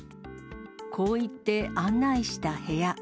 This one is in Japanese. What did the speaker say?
こう言って、案内した部屋。